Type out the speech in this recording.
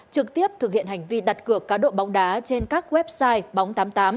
trực tiếp thực hiện hành vi đặt cược cá độ bóng đá trên các website bóng tám mươi tám